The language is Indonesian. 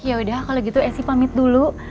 yaudah kalau gitu esi pamit dulu